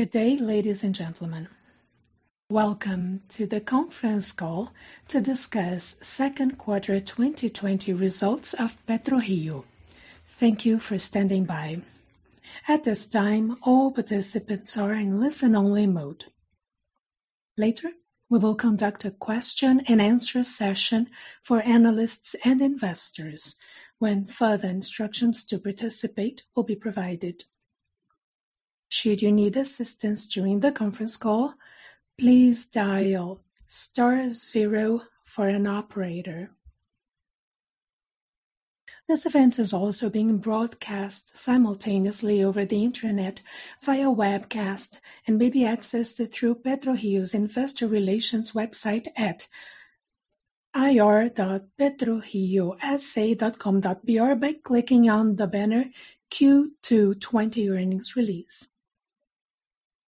Good day, ladies and gentlemen. Welcome to the conference call to discuss second quarter 2020 results of PetroRio. Thank you for standing by. At this time, all participants are in listen-only mode. Later, we will conduct a question-and-answer session for analysts and investors when further instructions to participate will be provided. Should you need assistance during the conference call, please dial star zero for an operator. This event is also being broadcast simultaneously over the internet via webcast and may be accessed through PetroRio's investor relations website at ir.petroriosa.com.br by clicking on the banner Q2 2020 Earnings Release.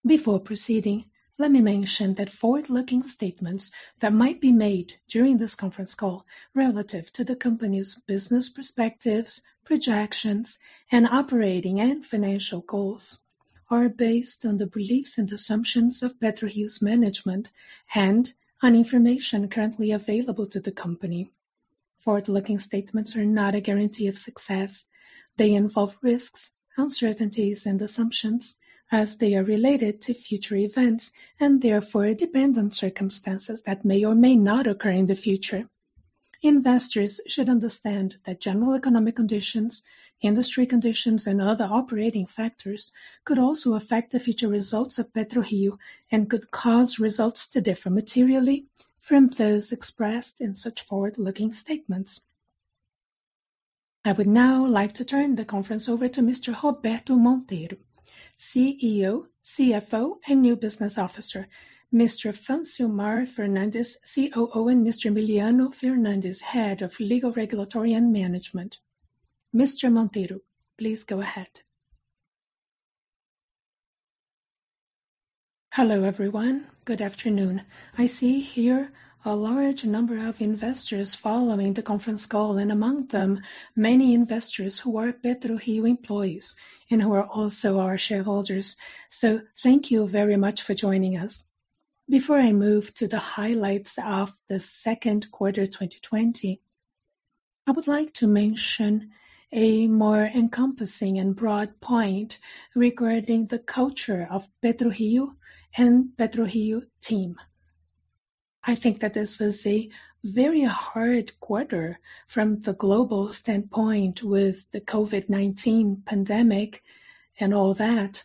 Before proceeding, let me mention that forward-looking statements that might be made during this conference call relative to the company's business perspectives, projections, and operating and financial goals are based on the beliefs and assumptions of PetroRio's management and on information currently available to the company. Forward-looking statements are not a guarantee of success. They involve risks, uncertainties, and assumptions as they are related to future events, and therefore, depend on circumstances that may or may not occur in the future. Investors should understand that general economic conditions, industry conditions, and other operating factors could also affect the future results of PetroRio and could cause results to differ materially from those expressed in such forward-looking statements. I would now like to turn the conference over to Mr. Roberto Monteiro, CEO, CFO, and New Business Officer, Mr. Francilmar Fernandes, COO, and Mr. Emiliano Fernandes, Head of Legal, Regulatory, and Management. Mr. Monteiro, please go ahead. Hello, everyone. Good afternoon. I see here a large number of investors following the conference call, and among them, many investors who are PetroRio employees and who are also our shareholders. Thank you very much for joining us. Before I move to the highlights of the second quarter 2020, I would like to mention a more encompassing and broad point regarding the culture of PetroRio and PetroRio team. I think that this was a very hard quarter from the global standpoint with the COVID-19 pandemic and all that.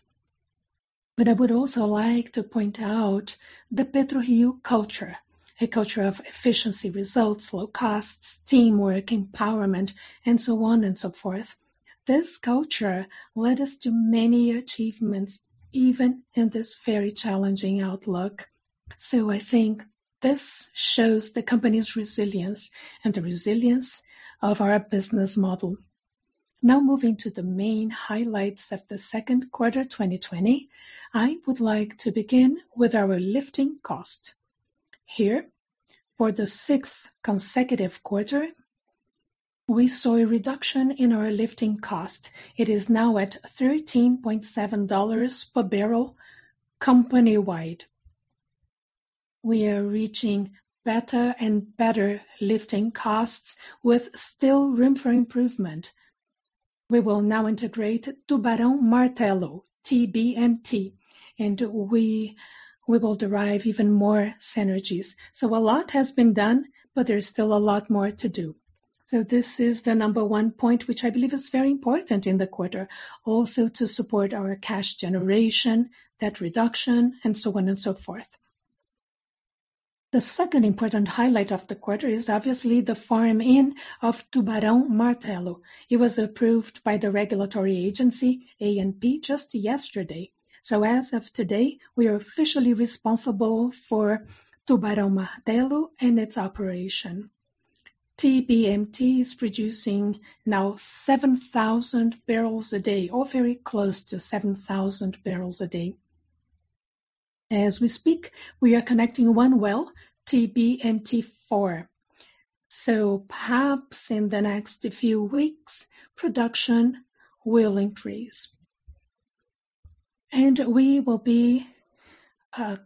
I would also like to point out the PetroRio culture, a culture of efficiency results, low costs, teamwork, empowerment, and so on and so forth. This culture led us to many achievements, even in this very challenging outlook. I think this shows the company's resilience and the resilience of our business model. Now moving to the main highlights of the second quarter 2020, I would like to begin with our lifting cost. Here, for the sixth consecutive quarter, we saw a reduction in our lifting cost. It is now at $13.70 per barrel company-wide. We are reaching better and better lifting costs with still room for improvement. We will now integrate Tubarão Martelo, TBMT, and we will derive even more synergies. A lot has been done, but there's still a lot more to do. This is the number one point, which I believe is very important in the quarter, also to support our cash generation, debt reduction, and so on and so forth. The second important highlight of the quarter is obviously the farm-in of Tubarão Martelo. It was approved by the regulatory agency, ANP, just yesterday. As of today, we are officially responsible for Tubarão Martelo and its operation. TBMT is producing now 7,000 barrels a day, or very close to 7,000 barrels a day. As we speak, we are connecting one well, TBMT-4. Perhaps in the next few weeks, production will increase. We will be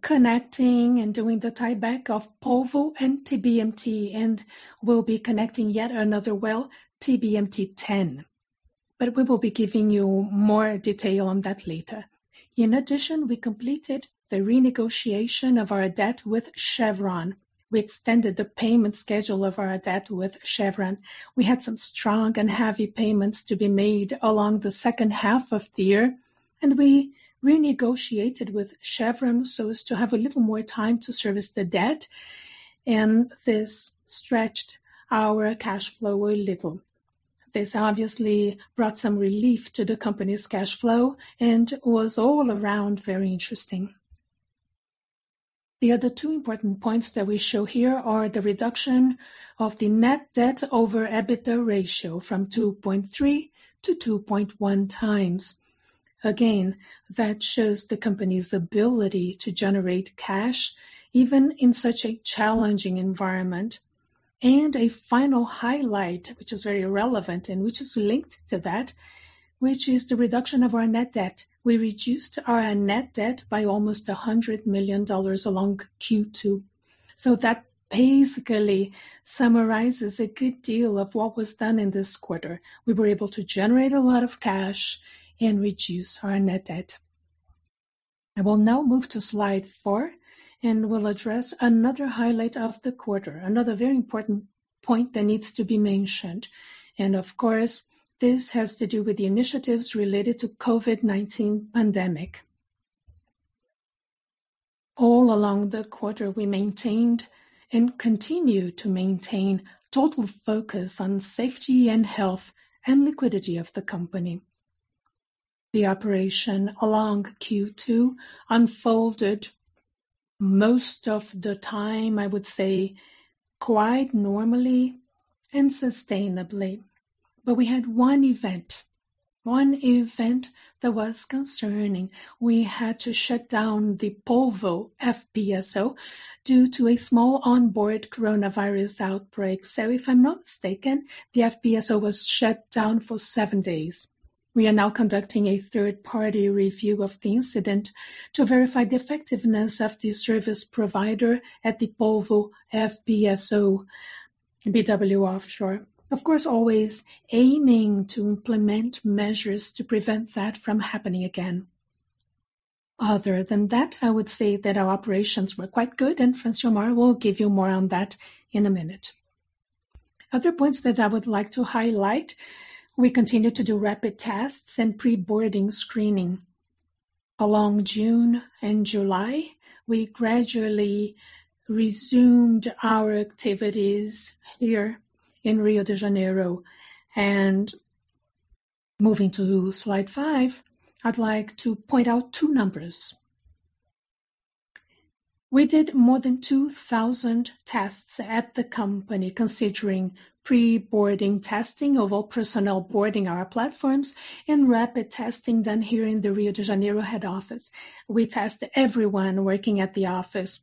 connecting and doing the tieback of Polvo and TBMT, and we'll be connecting yet another well, TBMT-10. We will be giving you more detail on that later. In addition, we completed the renegotiation of our debt with Chevron. We extended the payment schedule of our debt with Chevron. We had some strong and heavy payments to be made along the second half of the year, and we renegotiated with Chevron so as to have a little more time to service the debt, and this stretched our cash flow a little. This obviously brought some relief to the company's cash flow and was all around very interesting. The other two important points that we show here are the reduction of the net debt over EBITDA ratio from 2.3x to 2.1x. Again, that shows the company's ability to generate cash, even in such a challenging environment. A final highlight, which is very relevant and which is linked to that, which is the reduction of our net debt. We reduced our net debt by almost $100 million along Q2. That basically summarizes a good deal of what was done in this quarter. We were able to generate a lot of cash and reduce our net debt. I will now move to slide four, and we'll address another highlight of the quarter, another very important point that needs to be mentioned. Of course, this has to do with the initiatives related to COVID-19 pandemic. All along the quarter, we maintained and continue to maintain total focus on safety and health, and liquidity of the company. The operation along Q2 unfolded most of the time, I would say, quite normally and sustainably. We had one event that was concerning. We had to shut down the Polvo FPSO due to a small onboard coronavirus outbreak. If I'm not mistaken, the FPSO was shut down for seven days. We are now conducting a third-party review of the incident to verify the effectiveness of the service provider at the Polvo FPSO, BW Offshore. Of course, always aiming to implement measures to prevent that from happening again. Other than that, I would say that our operations were quite good, and Francilmar will give you more on that in a minute. Other points that I would like to highlight, we continue to do rapid tests and pre-boarding screening. Along June and July, we gradually resumed our activities here in Rio de Janeiro. Moving to slide five, I'd like to point out two numbers. We did more than 2,000 tests at the company, considering pre-boarding testing of all personnel boarding our platforms and rapid testing done here in the Rio de Janeiro head office. We test everyone working at the office.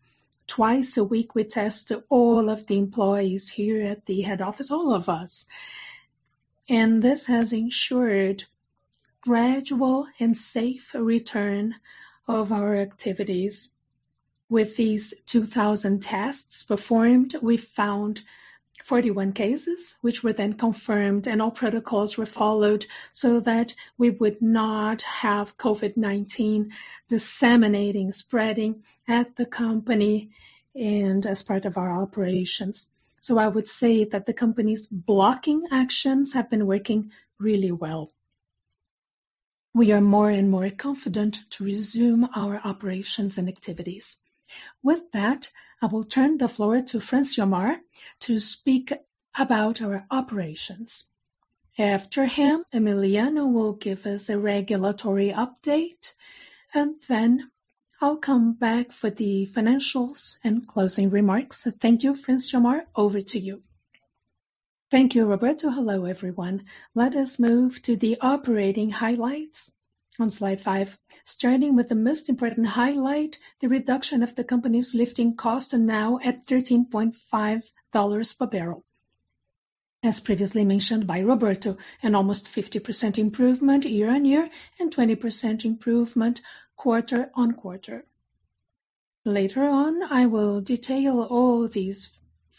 Twice a week, we test all of the employees here at the head office, all of us, and this has ensured gradual and safe return of our activities. With these 2,000 tests performed, we found 41 cases, which were then confirmed, and all protocols were followed so that we would not have COVID-19 disseminating, spreading at the company and as part of our operations. I would say that the company's blocking actions have been working really well. We are more and more confident to resume our operations and activities. With that, I will turn the floor to Francilmar to speak about our operations. After him, Emiliano will give us a regulatory update, and then I'll come back for the financials and closing remarks. Thank you. Francilmar, over to you. Thank you, Roberto. Hello, everyone. Let us move to the operating highlights on slide five, starting with the most important highlight, the reduction of the company's lifting cost, now at $13.5 per barrel. As previously mentioned by Roberto, an almost 50% improvement year-over-year and 20% improvement quarter-over-quarter. Later on, I will detail all these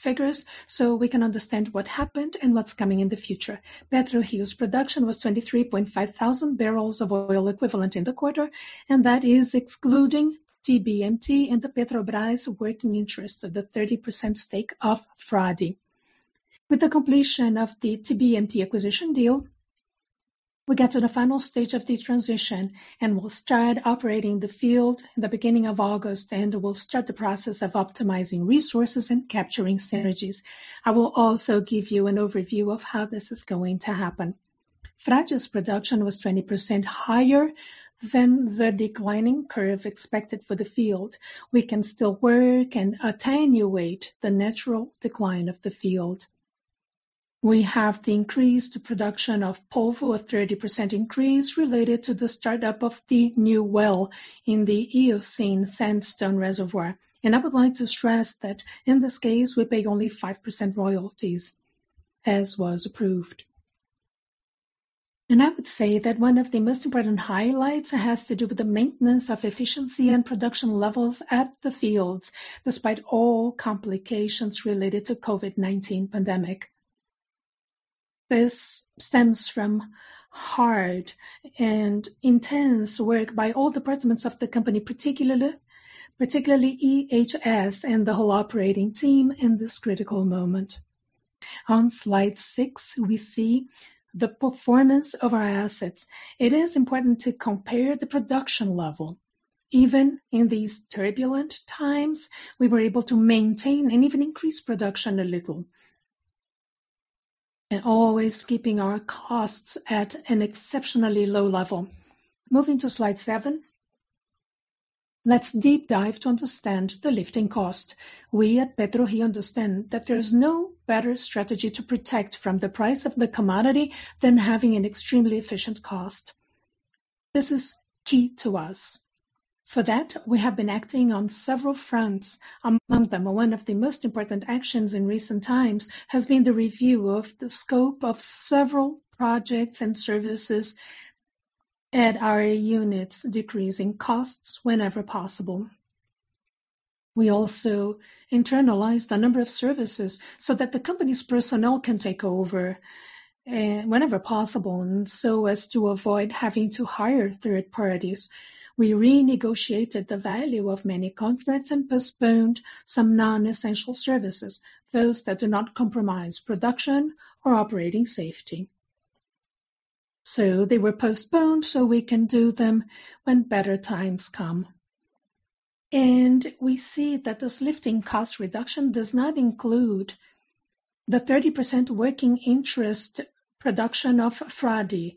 figures so we can understand what happened and what's coming in the future. PetroRio's production was 23.5 thousand barrels of oil equivalent in the quarter, and that is excluding TBMT and the Petrobras working interest of the 30% stake of Frade. With the completion of the TBMT acquisition deal, we get to the final stage of the transition and will start operating the field in the beginning of August. We'll start the process of optimizing resources and capturing synergies. I will also give you an overview of how this is going to happen. Frade's production was 20% higher than the declining curve expected for the field. We can still work and attenuate the natural decline of the field. We have the increased production of Polvo, a 30% increase related to the startup of the new well in the Eocene sandstone reservoir. I would like to stress that in this case, we pay only 5% royalties as was approved. I would say that one of the most important highlights has to do with the maintenance of efficiency and production levels at the fields, despite all complications related to COVID-19 pandemic. This stems from hard and intense work by all departments of the company, particularly EHS and the whole operating team in this critical moment. On slide six, we see the performance of our assets. It is important to compare the production level. Even in these turbulent times, we were able to maintain and even increase production a little, and always keeping our costs at an exceptionally low level. Moving to slide seven, let's deep dive to understand the lifting cost. We at PetroRio understand that there's no better strategy to protect from the price of the commodity than having an extremely efficient cost. This is key to us. For that, we have been acting on several fronts. Among them, one of the most important actions in recent times has been the review of the scope of several projects and services at our units, decreasing costs whenever possible. We also internalized a number of services so that the company's personnel can take over whenever possible, and so as to avoid having to hire third parties. We renegotiated the value of many contracts and postponed some non-essential services, those that do not compromise production or operating safety. They were postponed so we can do them when better times come. We see that this lifting cost reduction does not include the 30% working interest production of Frade,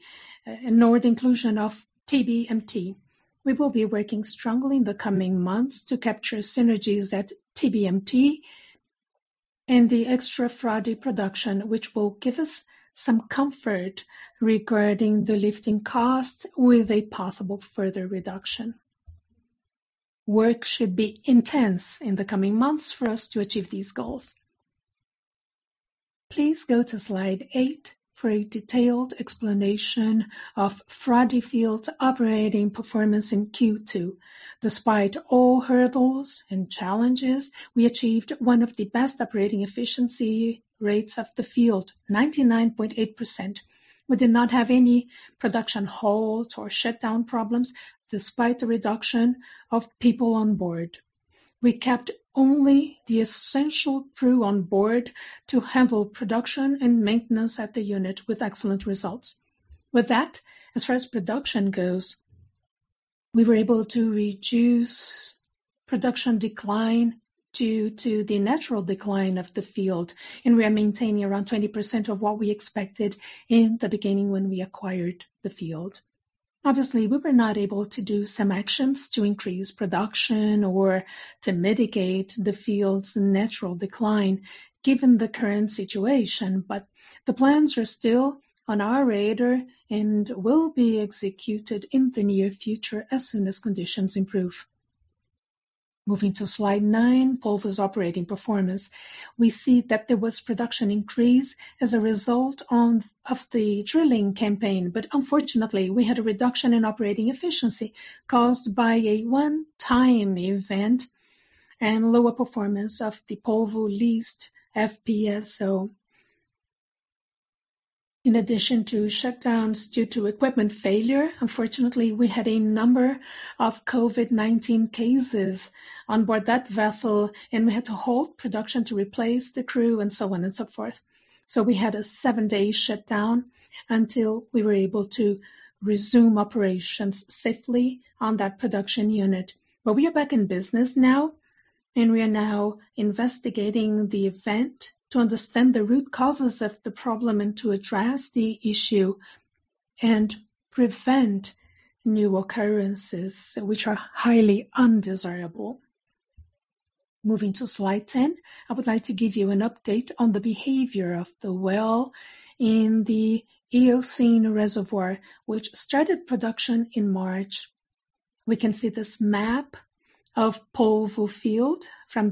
nor the inclusion of TBMT. We will be working strongly in the coming months to capture synergies at TBMT and the extra Frade production, which will give us some comfort regarding the lifting cost with a possible further reduction. Work should be intense in the coming months for us to achieve these goals. Please go to slide eight for a detailed explanation of Frade field's operating performance in Q2. Despite all hurdles and challenges, we achieved one of the best operating efficiency rates of the field, 99.8%. We did not have any production halt or shutdown problems despite the reduction of people on board. We kept only the essential crew on board to handle production and maintenance at the unit with excellent results. With that, as far as production goes, we were able to reduce production decline due to the natural decline of the field, and we are maintaining around 20% of what we expected in the beginning when we acquired the field. Obviously, we were not able to do some actions to increase production or to mitigate the field's natural decline given the current situation. The plans are still on our radar and will be executed in the near future as soon as conditions improve. Moving to slide nine, Polvo's operating performance. We see that there was production increase as a result of the drilling campaign, but unfortunately, we had a reduction in operating efficiency caused by a one-time event and lower performance of the Polvo leased FPSO. In addition to shutdowns due to equipment failure, unfortunately, we had a number of COVID-19 cases on board that vessel, and we had to halt production to replace the crew and so on and so forth. We had a seven-day shutdown until we were able to resume operations safely on that production unit. We are back in business now, and we are now investigating the event to understand the root causes of the problem and to address the issue and prevent new occurrences, which are highly undesirable. Moving to slide 10, I would like to give you an update on the behavior of the well in the Eocene reservoir, which started production in March. We can see this map of Polvo field from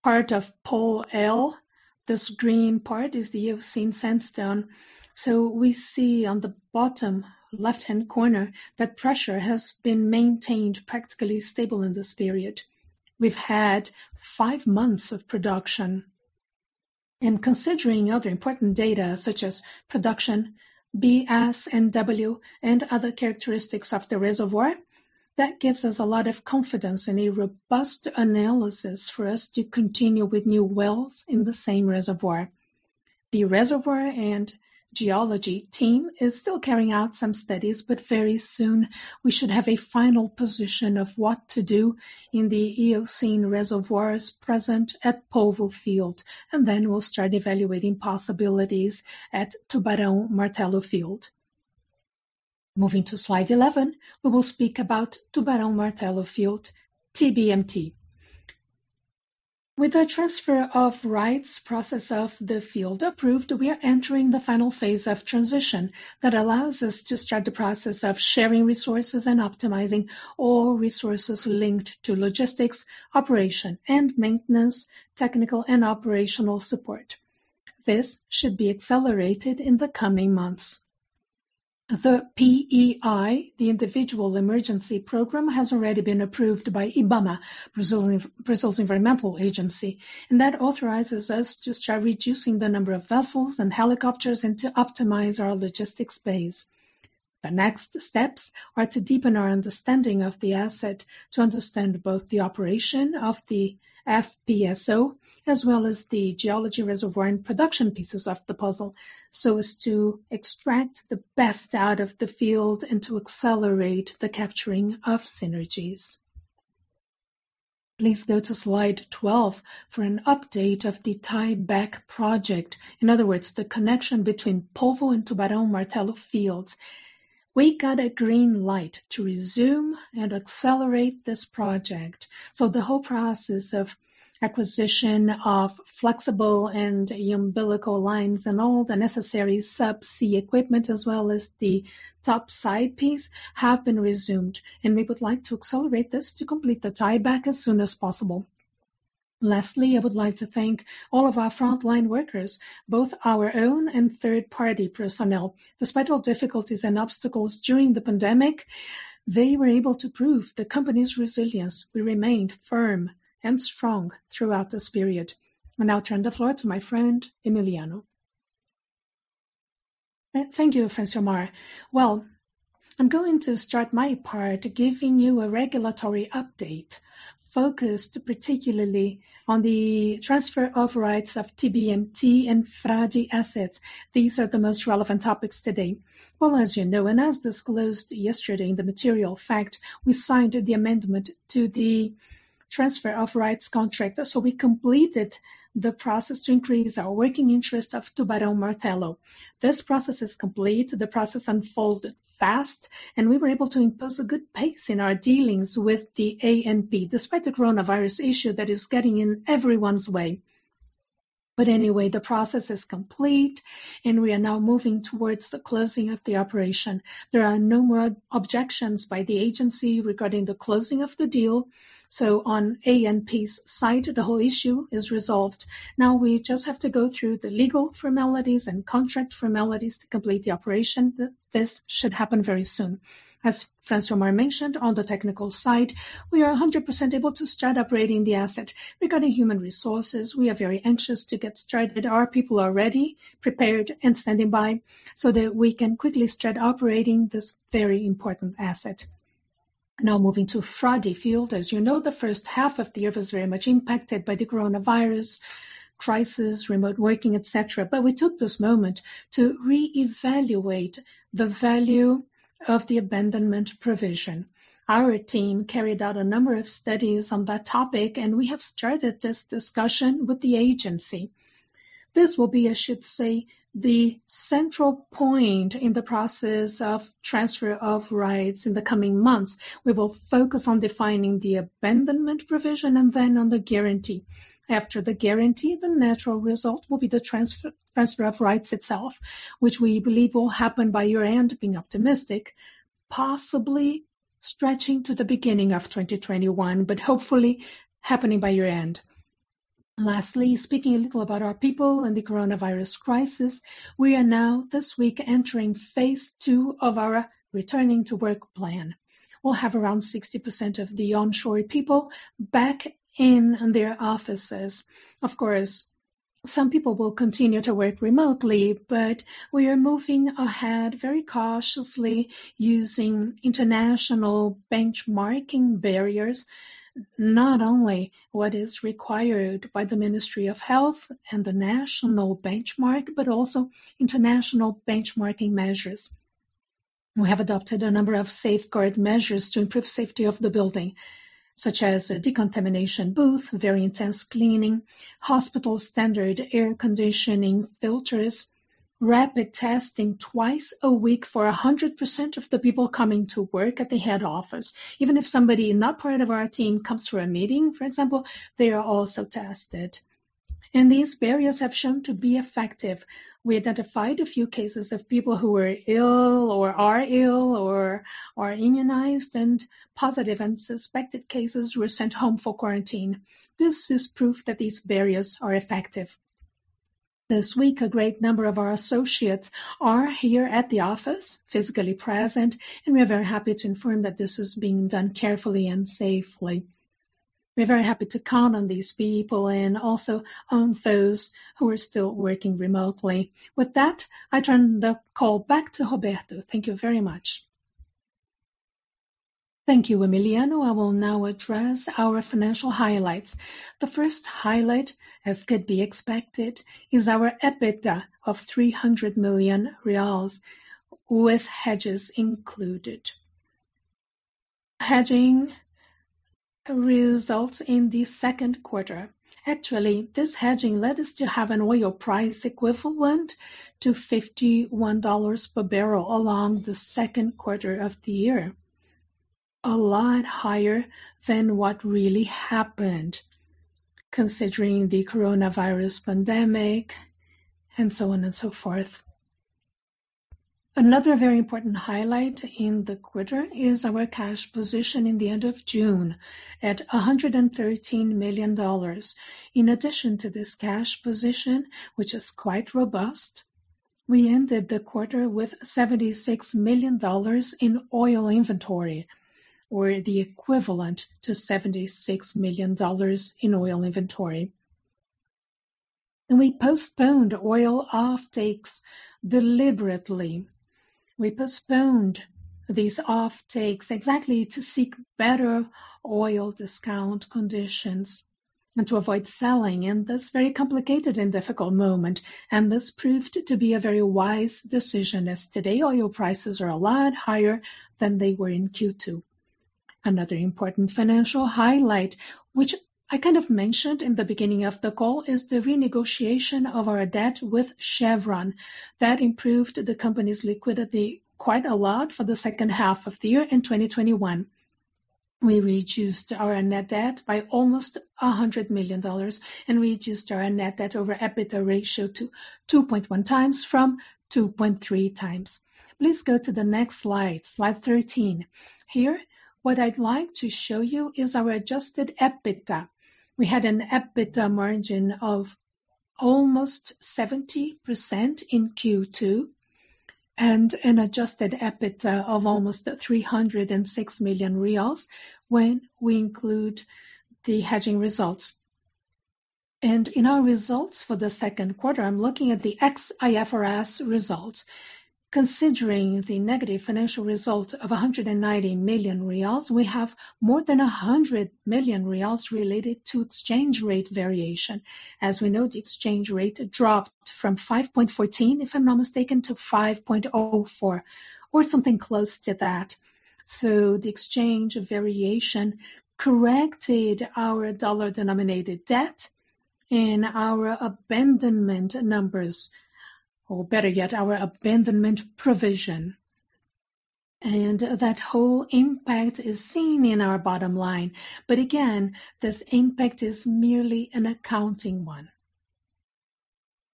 the top. Part of POL-L, this green part is the Eocene sandstone. We see on the bottom left-hand corner that pressure has been maintained practically stable in this period. We've had five months of production. Considering other important data such as production, BS&W, and other characteristics of the reservoir, that gives us a lot of confidence and a robust analysis for us to continue with new wells in the same reservoir. The reservoir and geology team is still carrying out some studies. Very soon we should have a final position of what to do in the Eocene reservoirs present at Polvo field. Then we'll start evaluating possibilities at Tubarão Martelo field. Moving to slide 11, we will speak about Tubarão Martelo field, TBMT. With the transfer of rights process of the field approved, we are entering the final phase of transition that allows us to start the process of sharing resources and optimizing all resources linked to logistics, operation and maintenance, technical and operational support. This should be accelerated in the coming months. The PEI, the Individual Emergency Program, has already been approved by IBAMA, Brazil's environmental agency. That authorizes us to start reducing the number of vessels and helicopters and to optimize our logistics base. The next steps are to deepen our understanding of the asset, to understand both the operation of the FPSO, as well as the geology reservoir and production pieces of the puzzle, so as to extract the best out of the field and to accelerate the capturing of synergies. Please go to slide 12 for an update of the tieback project. In other words, the connection between Polvo and Tubarão Martelo fields. We got a green light to resume and accelerate this project. The whole process of acquisition of flexible and umbilical lines and all the necessary subsea equipment, as well as the top side piece, have been resumed, and we would like to accelerate this to complete the tieback as soon as possible. Lastly, I would like to thank all of our frontline workers, both our own and third-party personnel. Despite all difficulties and obstacles during the pandemic, they were able to prove the company's resilience. We remained firm and strong throughout this period. I now turn the floor to my friend, Emiliano. Thank you, Francilmar. Well, I'm going to start my part giving you a regulatory update focused particularly on the transfer of rights of TBMT and Frade assets. These are the most relevant topics today. Well, as you know, and as disclosed yesterday in the material fact, we signed the amendment to the transfer of rights contract. We completed the process to increase our working interest of Tubarão Martelo. This process is complete. The process unfolded fast, and we were able to impose a good pace in our dealings with the ANP, despite the coronavirus issue that is getting in everyone's way. Anyway, the process is complete, and we are now moving towards the closing of the operation. There are no more objections by the agency regarding the closing of the deal. On ANP's side, the whole issue is resolved. Now we just have to go through the legal formalities and contract formalities to complete the operation. This should happen very soon. As Francilmar mentioned, on the technical side, we are 100% able to start operating the asset. Regarding human resources, we are very anxious to get started. Our people are ready, prepared, and standing by so that we can quickly start operating this very important asset. Now moving to Frade field. As you know, the first half of the year was very much impacted by the coronavirus crisis, remote working, etc. We took this moment to reevaluate the value of the abandonment provision. Our team carried out a number of studies on that topic, and we have started this discussion with the agency. This will be, I should say, the central point in the process of transfer of rights in the coming months. We will focus on defining the abandonment provision and then on the guarantee. After the guarantee, the natural result will be the transfer of rights itself, which we believe will happen by year-end, being optimistic, possibly stretching to the beginning of 2021, but hopefully happening by year-end. Lastly, speaking a little about our people and the coronavirus crisis, we are now this week entering phase two of our returning to work plan. We'll have around 60% of the onshore people back in their offices. Of course, some people will continue to work remotely, but we are moving ahead very cautiously using international benchmarking barriers, not only what is required by the Ministry of Health and the national benchmark, but also international benchmarking measures. We have adopted a number of safeguard measures to improve safety of the building, such as a decontamination booth, very intense cleaning, hospital-standard air conditioning filters, rapid testing twice a week for 100% of the people coming to work at the head office. Even if somebody not part of our team comes for a meeting, for example, they are also tested. These barriers have shown to be effective. We identified a few cases of people who were ill or are ill or are immunized, and positive and suspected cases were sent home for quarantine. This is proof that these barriers are effective. This week, a great number of our associates are here at the office, physically present, and we are very happy to inform that this is being done carefully and safely. We're very happy to count on these people and also on those who are still working remotely. With that, I turn the call back to Roberto. Thank you very much. Thank you, Emiliano. I will now address our financial highlights. The first highlight, as could be expected, is our EBITDA of 300 million reais with hedges included. Hedging results in the second quarter. Actually, this hedging led us to have an oil price equivalent to $51 per barrel along the second quarter of the year, a lot higher than what really happened, considering the coronavirus pandemic, and so on and so forth. Another very important highlight in the quarter is our cash position in the end of June at $113 million. In addition to this cash position, which is quite robust, we ended the quarter with $76 million in oil inventory, or the equivalent to $76 million in oil inventory. We postponed oil offtakes deliberately. We postponed these offtakes exactly to seek better oil discount conditions and to avoid selling in this very complicated and difficult moment. This proved to be a very wise decision, as today oil prices are a lot higher than they were in Q2. Another important financial highlight, which I kind of mentioned in the beginning of the call, is the renegotiation of our debt with Chevron. That improved the company's liquidity quite a lot for the second half of the year in 2021. We reduced our net debt by almost $100 million and reduced our net debt over EBITDA ratio to 2.1x from 2.3x. Please go to the next slide 13. Here, what I'd like to show you is our adjusted EBITDA. We had an EBITDA margin of almost 70% in Q2 and an adjusted EBITDA of almost 306 million reais when we include the hedging results. In our results for the second quarter, I'm looking at the ex-IFRS results. Considering the negative financial result of 190 million reais, we have more than 100 million reais related to exchange rate variation. As we know, the exchange rate dropped from 5.14, if I'm not mistaken, to 5.04, or something close to that. The exchange variation corrected our dollar-denominated debt and our abandonment numbers, or better yet, our abandonment provision. That whole impact is seen in our bottom line. Again, this impact is merely an accounting one.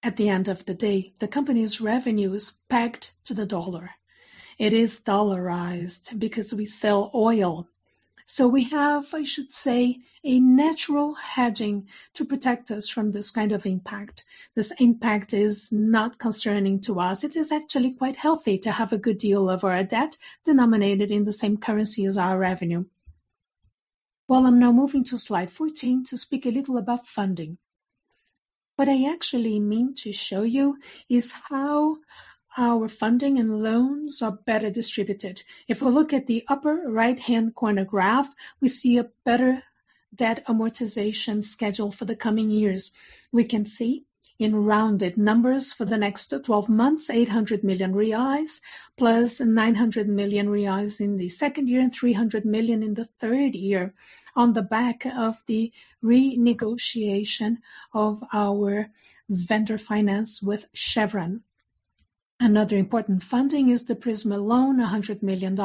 At the end of the day, the company's revenue is pegged to the dollar. It is dollarized because we sell oil. We have, I should say, a natural hedging to protect us from this kind of impact. This impact is not concerning to us. It is actually quite healthy to have a good deal of our debt denominated in the same currency as our revenue. I am now moving to slide 14 to speak a little about funding. What I actually mean to show you is how our funding and loans are better distributed. If we look at the upper right-hand corner graph, we see a better debt amortization schedule for the coming years. We can see in rounded numbers for the next 12 months, 800 million reais, plus 900 million reais in the second year and 300 million in the third year on the back of the renegotiation of our vendor finance with Chevron. Another important funding is the Prisma loan, $100 million.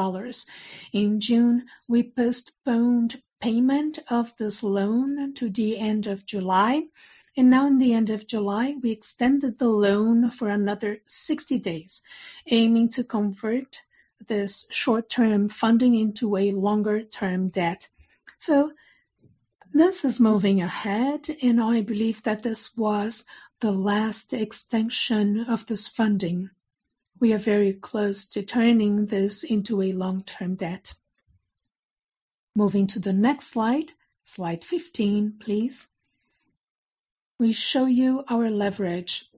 In June, we postponed payment of this loan to the end of July, now in the end of July, we extended the loan for another 60 days, aiming to convert this short-term funding into a longer-term debt. This is moving ahead, and I believe that this was the last extension of this funding. We are very close to turning this into a long-term debt. Moving to the next slide 15, please. We show you our leverage.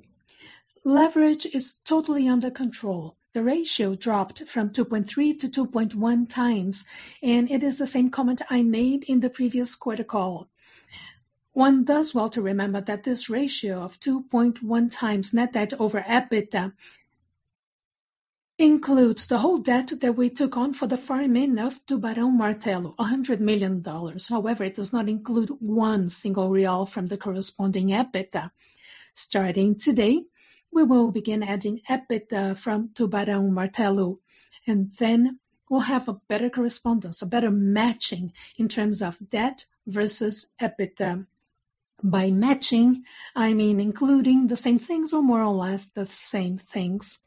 Leverage is totally under control. The ratio dropped from 2.3x to 2.1x, and it is the same comment I made in the previous quarter call. One does well to remember that this ratio of 2.1x net debt over EBITDA includes the whole debt that we took on for the farm-in of Tubarão Martelo, $100 million. However, it does not include one single real from the corresponding EBITDA. Starting today, we will begin adding EBITDA from Tubarão Martelo, and then we'll have a better correspondence, a better matching in terms of debt versus EBITDA. By matching, I mean including the same things or more or less the same things.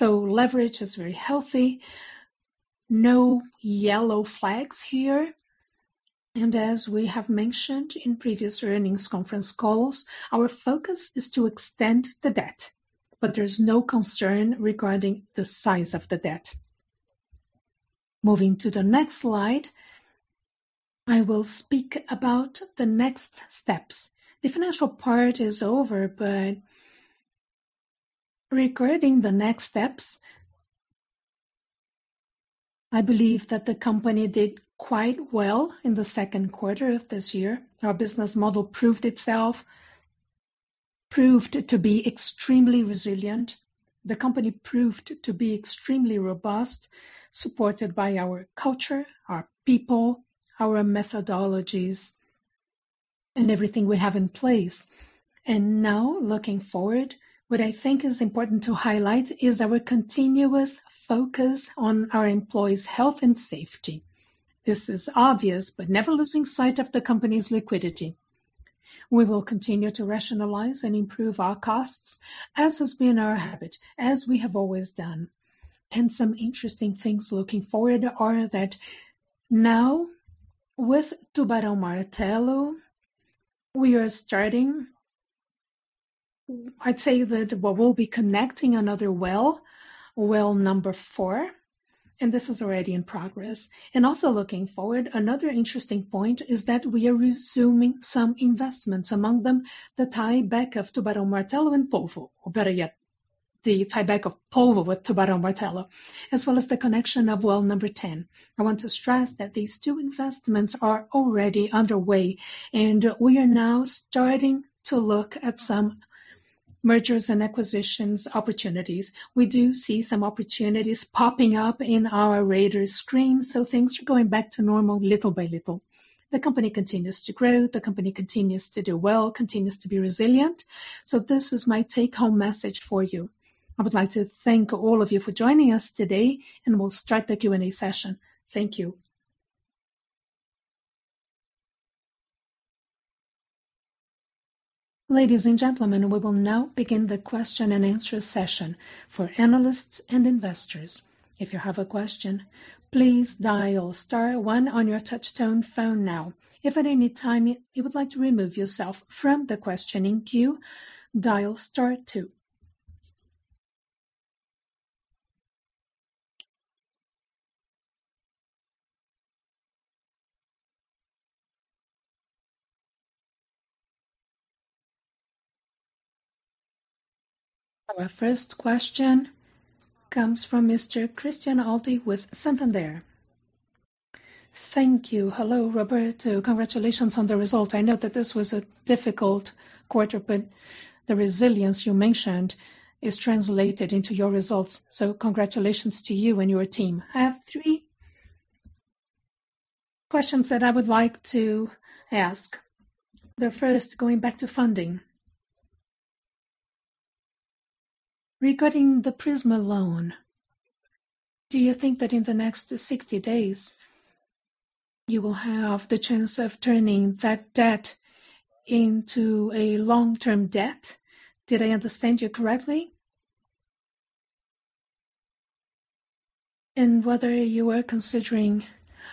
Leverage is very healthy. No yellow flags here. As we have mentioned in previous earnings conference calls, our focus is to extend the debt, but there's no concern regarding the size of the debt. Moving to the next slide, I will speak about the next steps. The financial part is over. Regarding the next steps, I believe that the company did quite well in the second quarter of this year. Our business model proved itself, proved to be extremely resilient. The company proved to be extremely robust, supported by our culture, our people, our methodologies, and everything we have in place. Now looking forward, what I think is important to highlight is our continuous focus on our employees' health and safety. This is obvious, never losing sight of the company's liquidity. We will continue to rationalize and improve our costs, as has been our habit, as we have always done. Some interesting things looking forward are that now with Tubarão Martelo, we are starting, I'd say that we will be connecting another well, well number 4, and this is already in progress. Also looking forward, another interesting point is that we are resuming some investments, among them the tieback of Tubarão Martelo and Polvo, or better yet, the tieback of Polvo with Tubarão Martelo, as well as the connection of well number 10. I want to stress that these two investments are already underway, and we are now starting to look at some mergers and acquisitions opportunities. We do see some opportunities popping up in our radar screen. Things are going back to normal little by little. The company continues to grow, the company continues to do well, continues to be resilient. This is my take-home message for you. I would like to thank all of you for joining us today, and we'll start the Q&A session. Thank you. Ladies and gentlemen, we will now begin the question-and-answer session for analysts and investors. If you have a question, please dial star one on your touch tone phone now. If at any time you would like to remove yourself from the questioning queue, dial star two. Our first question comes from Mr. Christian Audi with Santander. Thank you. Hello, Roberto. Congratulations on the results. I know that this was a difficult quarter, but the resilience you mentioned is translated into your results. Congratulations to you and your team. I have three questions that I would like to ask. The first, going back to funding. Regarding the Prisma loan, do you think that in the next 60 days, you will have the chance of turning that debt into a long-term debt? Did I understand you correctly? Whether you are considering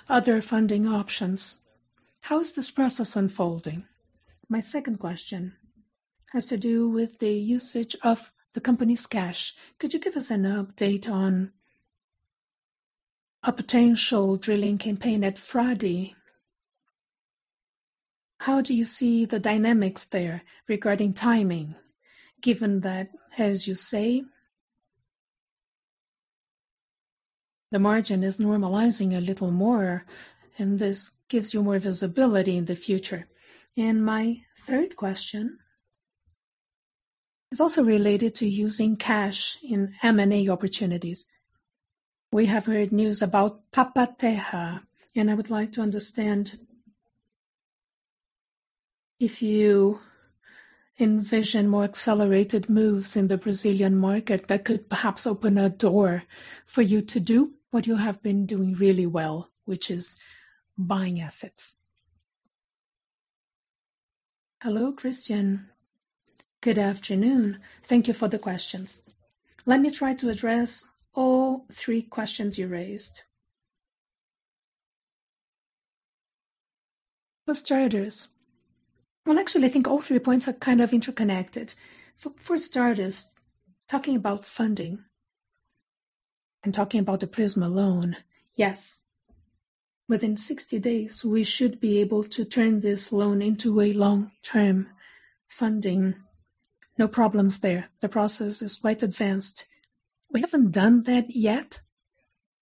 other funding options. How is this process unfolding? My second question has to do with the usage of the company's cash. Could you give us an update on a potential drilling campaign at Frade? How do you see the dynamics there regarding timing, given that, as you say, the margin is normalizing a little more and this gives you more visibility in the future. My third question is also related to using cash in M&A opportunities. We have heard news about Papa-Terra. I would like to understand if you envision more accelerated moves in the Brazilian market that could perhaps open a door for you to do what you have been doing really well, which is buying assets. Hello, Christian. Good afternoon. Thank you for the questions. Let me try to address all three questions you raised. Well, actually, I think all three points are kind of interconnected. For starters, talking about funding and talking about the Prisma loan. Yes, within 60 days, we should be able to turn this loan into a long-term funding. No problems there. The process is quite advanced. We haven't done that yet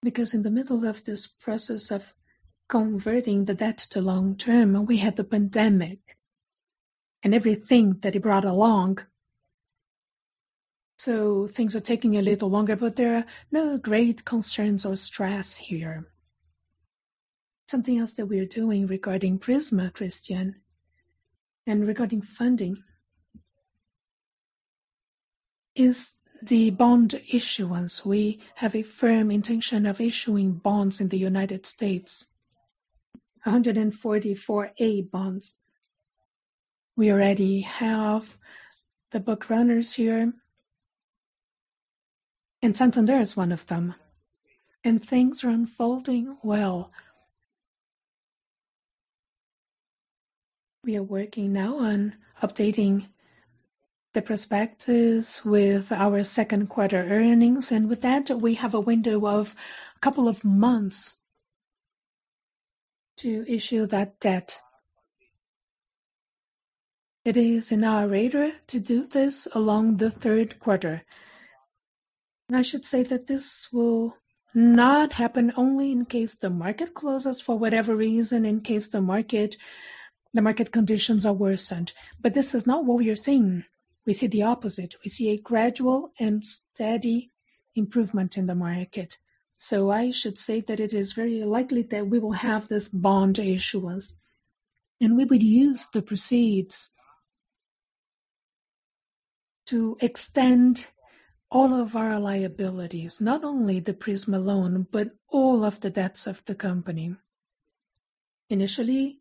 because in the middle of this process of converting the debt to long-term, we had the pandemic and everything that it brought along. Things are taking a little longer, but there are no great concerns or stress here. Something else that we are doing regarding Prisma, Christian, and regarding funding, is the bond issuance. We have a firm intention of issuing bonds in the United States, 144A bonds. We already have the book runners here. Santander is one of them. Things are unfolding well. We are working now on updating the prospectus with our second quarter earnings, and with that, we have a window of a couple of months to issue that debt. It is in our radar to do this along the third quarter. I should say that this will not happen only in case the market closes for whatever reason, in case the market conditions are worsened. This is not what we are seeing. We see the opposite. We see a gradual and steady improvement in the market. I should say that it is very likely that we will have this bond issuance, and we would use the proceeds to extend all of our liabilities, not only the Prisma loan, but all of the debts of the company. Initially,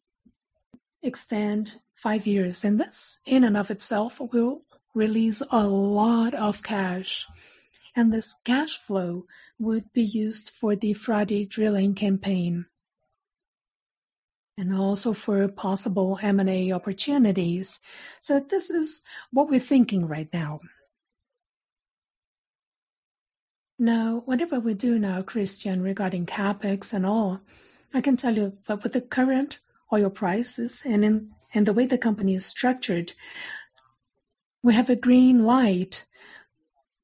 extend five years. This in and of itself will release a lot of cash. This cash flow would be used for the Frade drilling campaign and also for possible M&A opportunities. This is what we're thinking right now. Now, whatever we do now, Christian, regarding CapEx and all, I can tell you with the current oil prices and the way the company is structured, we have a green light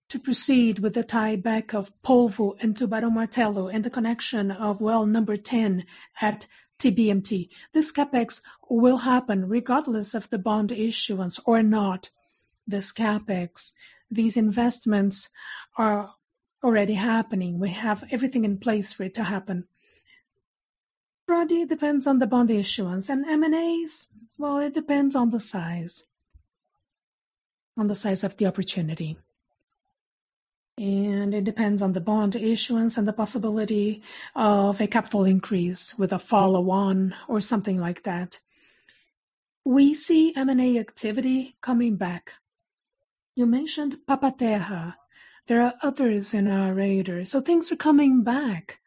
to proceed with the tieback of Polvo and Tubarão Martelo and the connection of well number 10 at TBMT. This CapEx will happen regardless of the bond issuance or not. This CapEx, these investments are already happening. We have everything in place for it to happen. Frade depends on the bond issuance. M&As, well, it depends on the size of the opportunity. It depends on the bond issuance and the possibility of a capital increase with a follow-on or something like that. We see M&A activity coming back. You mentioned Papa-Terra. There are others in our radar. Things are coming back.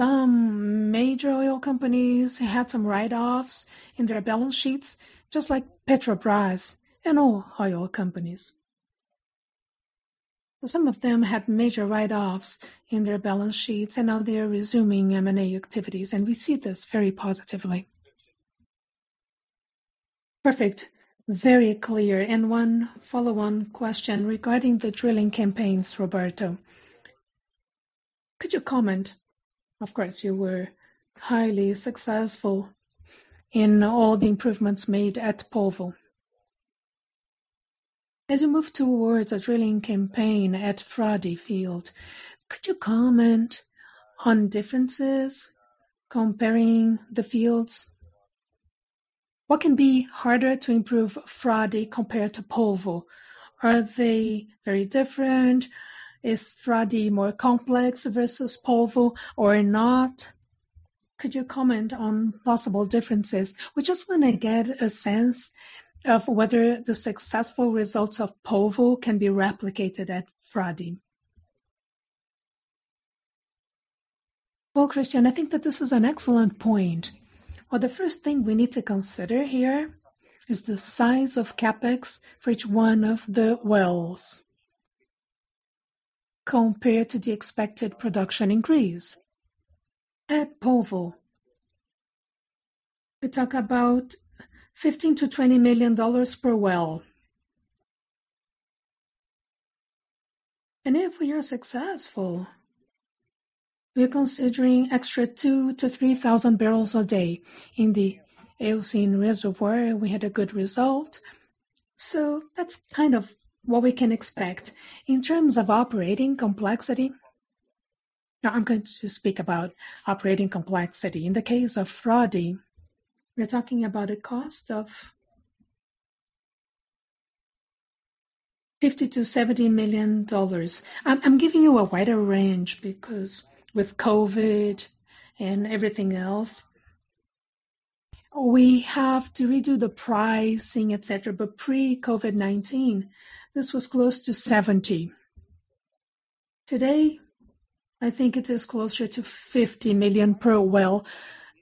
Some major oil companies had some write-offs in their balance sheets, just like Petrobras and all oil companies. Some of them had major write-offs in their balance sheets. Now they're resuming M&A activities. We see this very positively. Perfect. Very clear. One follow-on question regarding the drilling campaigns, Roberto. Could you comment, of course, you were highly successful in all the improvements made at Polvo. As we move towards a drilling campaign at Frade field, could you comment on differences comparing the fields? What can be harder to improve Frade compared to Polvo? Are they very different? Is Frade more complex versus Polvo or not? Could you comment on possible differences? We just want to get a sense of whether the successful results of Polvo can be replicated at Frade. Well, Christian, I think that this is an excellent point. Well, the first thing we need to consider here is the size of CapEx for each one of the wells compared to the expected production increase. At Polvo, we talk about $15 million-$20 million per well. If we are successful, we are considering extra 2,000-3,000 barrels a day. In the Eocene reservoir, we had a good result. That's kind of what we can expect. In terms of operating complexity, now I'm going to speak about operating complexity. In the case of Frade, we're talking about a cost of $50 million-$70 million. I'm giving you a wider range because with COVID-19 and everything else, we have to redo the pricing, etc. Pre-COVID-19, this was close to $70 million. Today, I think it is closer to $50 million per well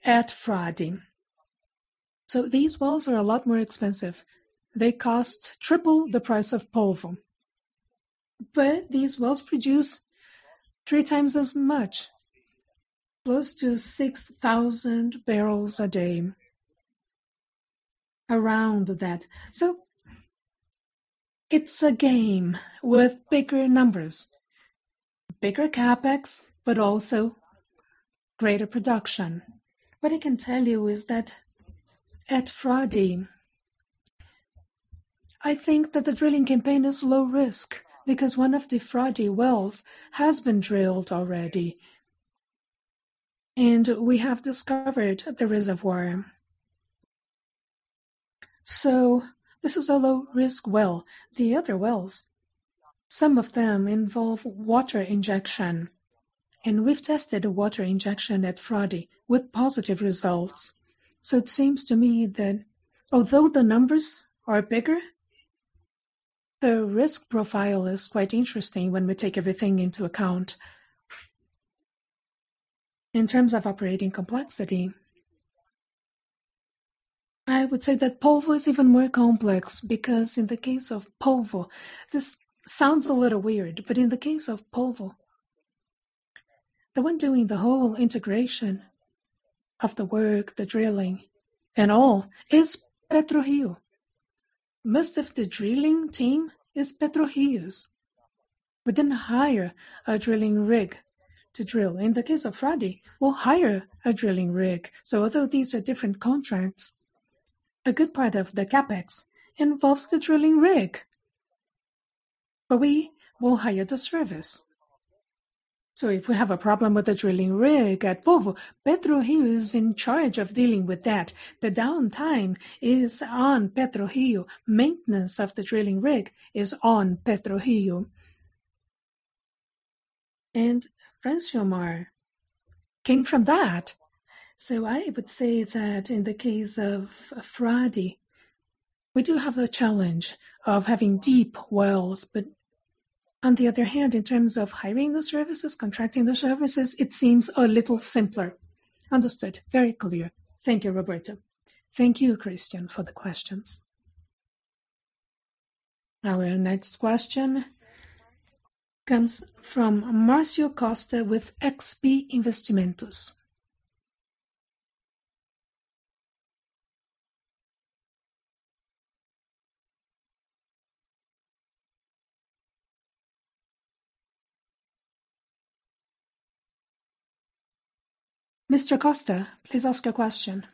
at Frade. These wells are a lot more expensive. They cost triple the price of Polvo. These wells produce three times as much, close to 6,000 barrels a day, around that. It's a game with bigger numbers, bigger CapEx, but also greater production. What I can tell you is that at Frade, I think that the drilling campaign is low risk because one of the Frade wells has been drilled already, and we have discovered the reservoir. This is a low-risk well. The other wells, some of them involve water injection, and we've tested water injection at Frade with positive results. It seems to me that although the numbers are bigger, the risk profile is quite interesting when we take everything into account. In terms of operating complexity, I would say that Polvo is even more complex because in the case of Polvo, this sounds a little weird, but in the case of Polvo, the one doing the whole integration of the work, the drilling, and all is PetroRio. Most of the drilling team is PetroRio's. We didn't hire a drilling rig to drill. In the case of Frade, we'll hire a drilling rig. Although these are different contracts, a good part of the CapEx involves the drilling rig. We will hire the service. If we have a problem with the drilling rig at Polvo, PetroRio is in charge of dealing with that. The downtime is on PetroRio. Maintenance of the drilling rig is on PetroRio. Francilmar came from that. I would say that in the case of Frade, we do have the challenge of having deep wells, but on the other hand, in terms of hiring the services, contracting the services, it seems a little simpler. Understood. Very clear. Thank you, Roberto. Thank you, Christian, for the questions. Our next question comes from Marcio Costa with XP Investimentos. Mr. Costa, please ask your question.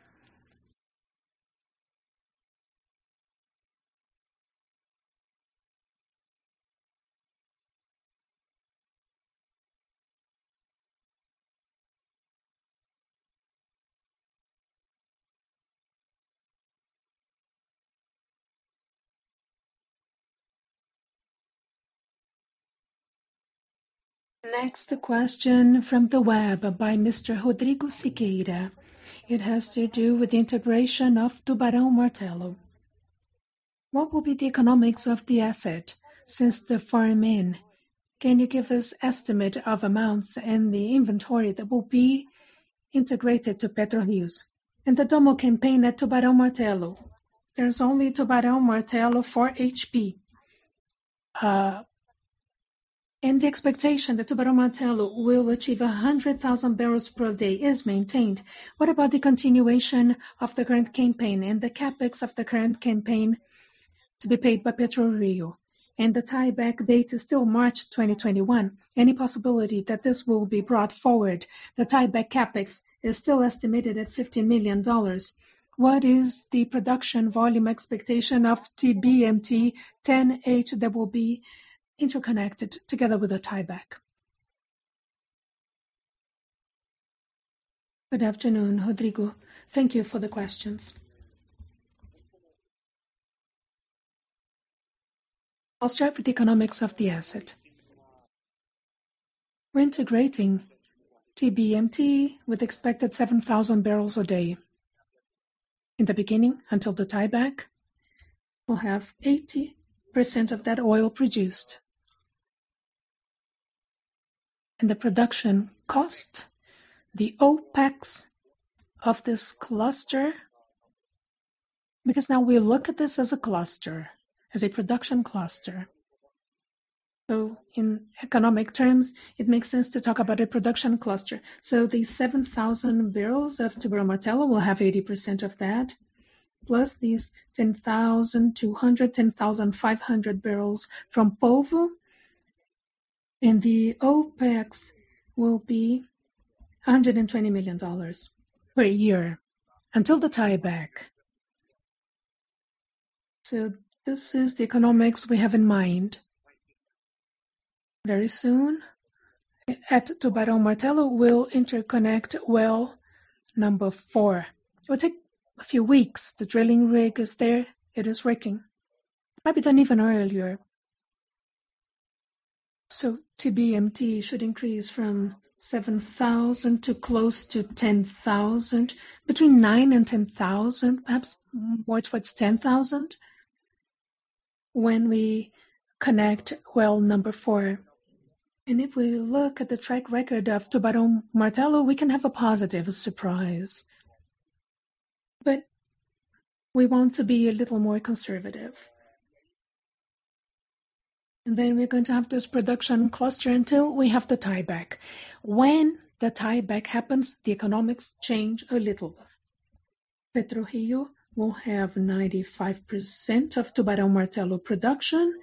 Next question from the web by Mr. Rodrigo Siqueira. It has to do with the integration of Tubarão Martelo. What will be the economics of the asset since the farm-in? Can you give us estimate of amounts and the inventory that will be integrated to PetroRio? In the Dommo campaign at Tubarão Martelo, there's only Tubarão Martelo 4-HP. The expectation that Tubarão Martelo will achieve 100,000 barrels per day is maintained. What about the continuation of the current campaign and the CapEx of the current campaign to be paid by PetroRio? The tieback date is still March 2021. Any possibility that this will be brought forward? The tieback CapEx is still estimated at $15 million. What is the production volume expectation of TBMT-10H that will be interconnected together with the tieback. Good afternoon, Rodrigo. Thank you for the questions. I'll start with the economics of the asset. We're integrating TBMT with expected 7,000 barrels a day. In the beginning, until the tieback, we'll have 80% of that oil produced. The production cost, the OpEx of this cluster, because now we look at this as a cluster, as a production cluster. In economic terms, it makes sense to talk about a production cluster. These 7,000 barrels of Tubarão Martelo, we'll have 80% of that, plus these 10,200, 10,500 barrels from Polvo, and the OpEx will be $120 million per year until the tieback. This is the economics we have in mind. Very soon, at Tubarão Martelo, we'll interconnect well number 4. It will take a few weeks. The drilling rig is there. It is working. Might be done even earlier. TBMT should increase from 7,000 to close to 10,000, between 9,000 and 10,000, perhaps towards 10,000, when we connect well number 4. If we look at the track record of Tubarão Martelo, we can have a positive surprise. We want to be a little more conservative. Then we're going to have this production cluster until we have the tieback. When the tieback happens, the economics change a little. PetroRio will have 95% of Tubarão Martelo production.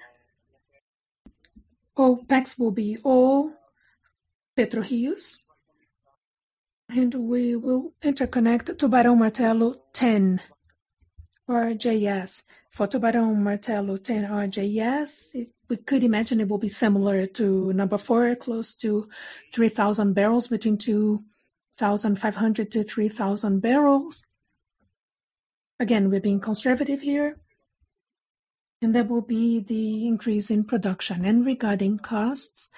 OpEx will be all PetroRio's. We will interconnect Tubarão Martelo 10-RJS. For Tubarão Martelo 10-RJS, we could imagine it will be similar to number 4, close to 3,000 barrels, between 2,500-3,000 barrels. Again, we're being conservative here. That will be the increase in production. Regarding costs,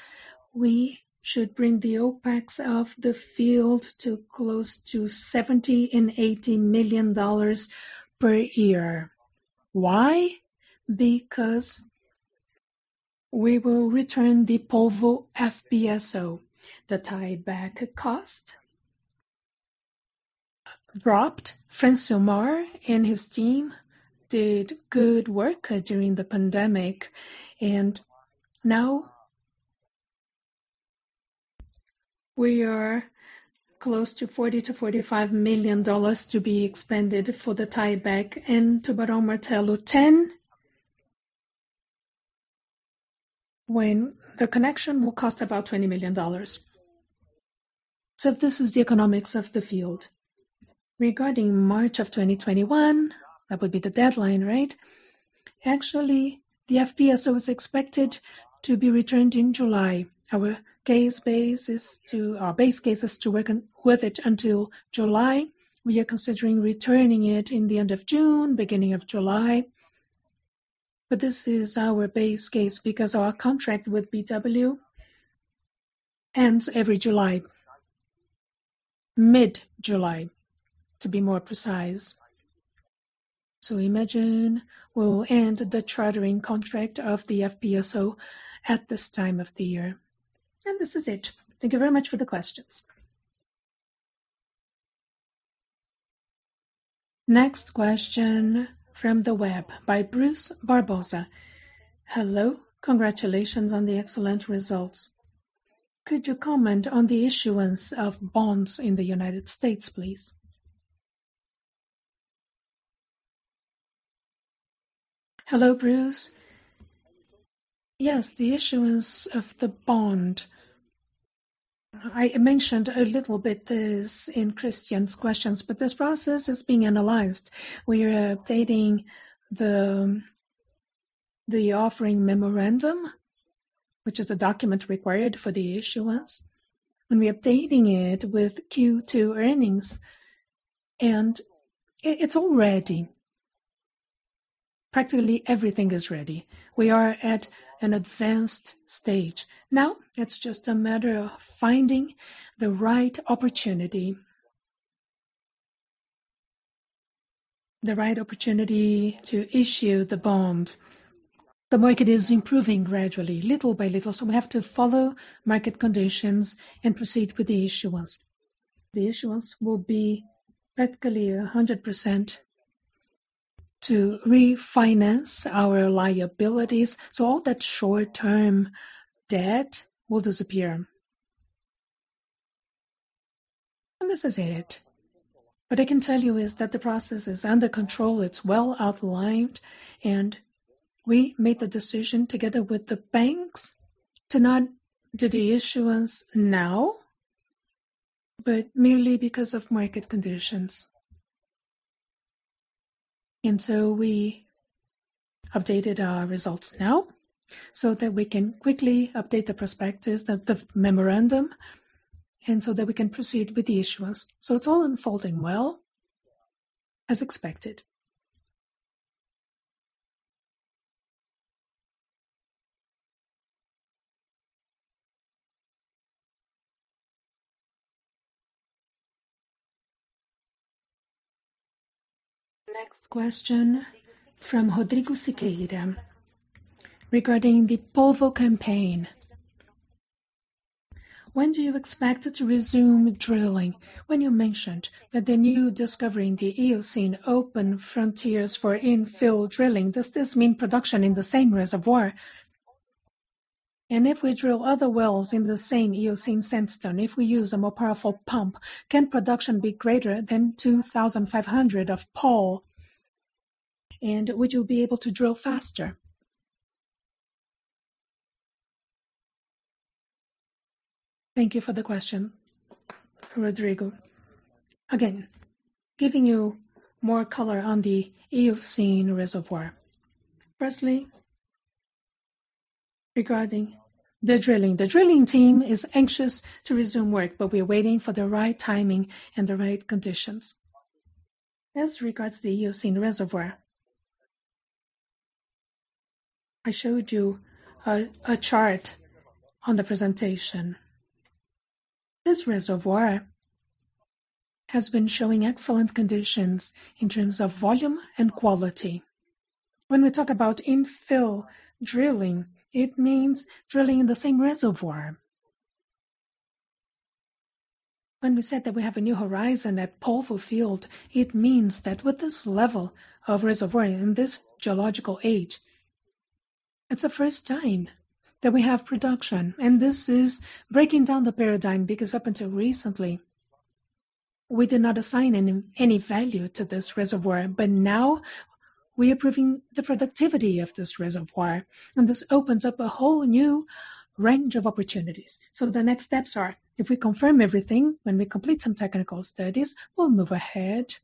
we should bring the OpEx of the field to close to $70 million and $80 million per year. Why? Because we will return the Polvo FPSO. The tieback cost dropped. Francilmar and his team did good work during the pandemic. Now we are close to $40 million-$45 million to be expanded for the tieback in Tubarão Martelo 10, when the connection will cost about $20 million. This is the economics of the field. Regarding March of 2021, that would be the deadline, right? Actually, the FPSO is expected to be returned in July. Our base case is to work with it until July. We are considering returning it in the end of June, beginning of July. This is our base case because our contract with BW ends every July. Mid-July, to be more precise. Imagine we'll end the chartering contract of the FPSO at this time of the year. This is it. Thank you very much for the questions. Next question from the web by Bruce Barbosa. Hello. Congratulations on the excellent results. Could you comment on the issuance of bonds in the United States, please? Hello, Bruce. Yes, the issuance of the bond. I mentioned a little bit this in Christian's questions. This process is being analyzed. We are updating the offering memorandum, which is a document required for the issuance, and we're updating it with Q2 earnings, and it's all ready. Practically everything is ready. We are at an advanced stage. Now it's just a matter of finding the right opportunity to issue the bond. The market is improving gradually, little by little. We have to follow market conditions and proceed with the issuance. The issuance will be practically 100% to refinance our liabilities. All that short-term debt will disappear. This is it. What I can tell you is that the process is under control, it's well outlined, we made the decision together with the banks to not do the issuance now, merely because of market conditions. We updated our results now so that we can quickly update the prospectus, the memorandum, and so that we can proceed with the issuance. It's all unfolding well, as expected. Next question from Rodrigo Siqueira regarding the Polvo campaign. When do you expect to resume drilling? When you mentioned that the new discovery in the Eocene open frontiers for infill drilling, does this mean production in the same reservoir? If we drill other wells in the same Eocene sandstone, if we use a more powerful pump, can production be greater than 2,500 of Pol? Would you be able to drill faster? Thank you for the question, Rodrigo. Again, giving you more color on the Eocene reservoir. Firstly, regarding the drilling. The drilling team is anxious to resume work. We are waiting for the right timing and the right conditions. As regards the Eocene reservoir, I showed you a chart on the presentation. This reservoir has been showing excellent conditions in terms of volume and quality. When we talk about infill drilling, it means drilling in the same reservoir. When we said that we have a new horizon at Polvo field, it means that with this level of reservoir in this geological age, it's the first time that we have production, and this is breaking down the paradigm, because up until recently, we did not assign any value to this reservoir. Now we are proving the productivity of this reservoir, and this opens up a whole new range of opportunities. The next steps are, if we confirm everything, when we complete some technical studies, we'll move ahead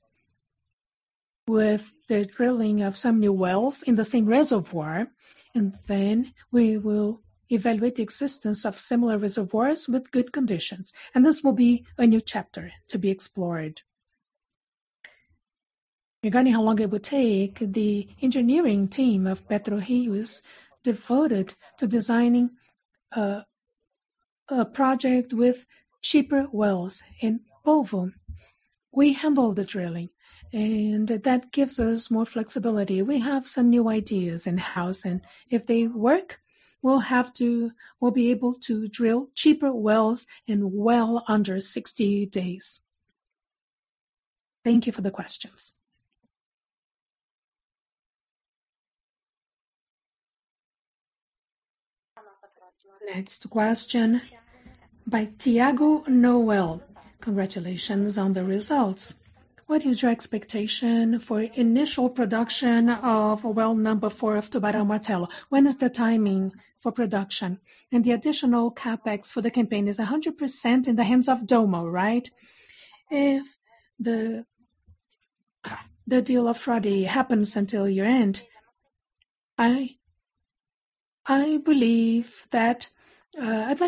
with the drilling of some new wells in the same reservoir, and then we will evaluate the existence of similar reservoirs with good conditions. This will be a new chapter to be explored. Regarding how long it would take, the engineering team of PetroRio is devoted to designing a project with cheaper wells in Polvo. We handle the drilling, and that gives us more flexibility. We have some new ideas in-house, and if they work, we'll be able to drill cheaper wells in well under 60 days. Thank you for the questions. Next question by Tiago Noel. Congratulations on the results. What is your expectation for initial production of well number 4 of Tubarão Martelo? When is the timing for production? The additional CapEx for the campaign is 100% in the hands of Dommo, right? If the deal of Frade happens until year-end, I'd like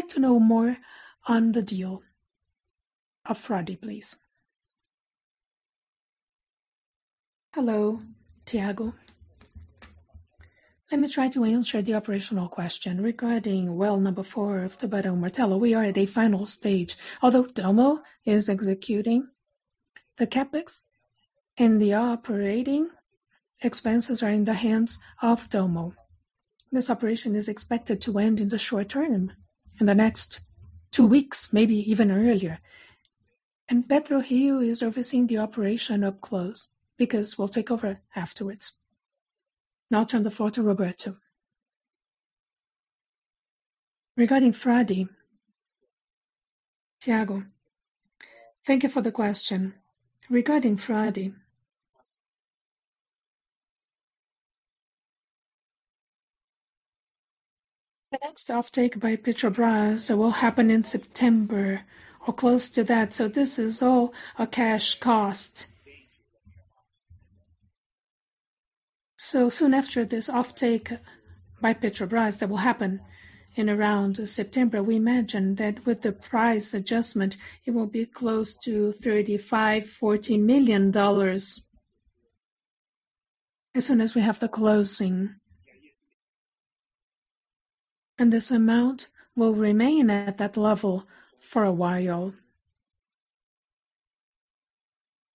to know more on the deal of Frade, please. Hello, Tiago. Let me try to answer the operational question regarding well number 4 of Tubarão Martelo. We are at a final stage, although Dommo is executing the CapEx and the operating expenses are in the hands of Dommo. This operation is expected to end in the short term, in the next two weeks, maybe even earlier. PetroRio is overseeing the operation up close because we'll take over afterwards. Now turn the floor to Roberto. Regarding Frade. Tiago, thank you for the question. Regarding Frade. The next offtake by Petrobras that will happen in September or close to that. This is all a cash cost. Soon after this offtake by Petrobras that will happen in around September, we imagine that with the price adjustment, it will be close to $35 million, $40 million as soon as we have the closing. This amount will remain at that level for a while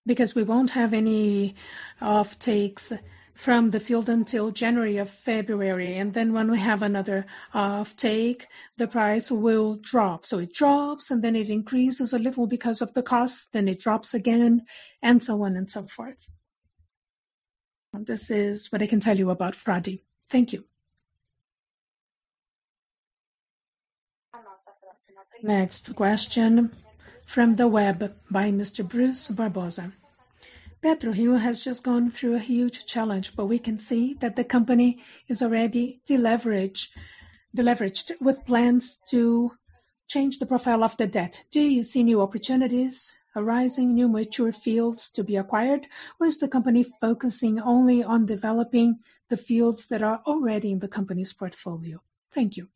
because we won't have any offtakes from the field until January or February, then when we have another offtake, the price will drop. It drops, then it increases a little because of the cost, then it drops again, so on and so forth. This is what I can tell you about Frade. Thank you. Next question from the web by Mr. Bruce Barbosa. PetroRio has just gone through a huge challenge, but we can see that the company is already deleveraged with plans to change the profile of the debt. Do you see new opportunities arising, new mature fields to be acquired, or is the company focusing only on developing the fields that are already in the company's portfolio? Thank you.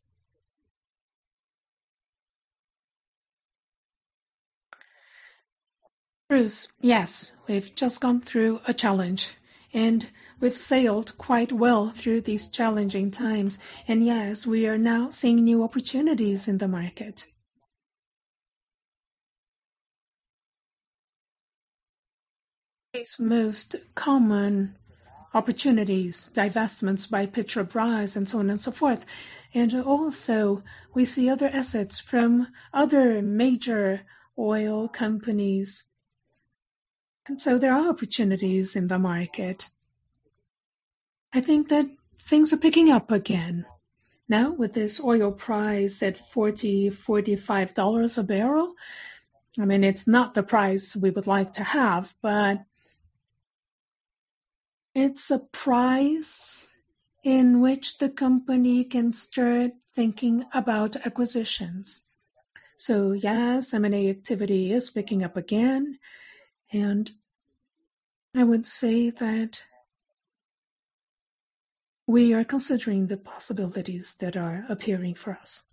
Bruce. Yes, we've just gone through a challenge, and we've sailed quite well through these challenging times. Yes, we are now seeing new opportunities in the market. Its most common opportunities, divestments by Petrobras and so on and so forth. Also we see other assets from other major oil companies. There are opportunities in the market. I think that things are picking up again now with this oil price at $40, $45 a barrel. It's not the price we would like to have, but it's a price in which the company can start thinking about acquisitions. Yes, M&A activity is picking up again, and I would say that we are considering the possibilities that are appearing for us.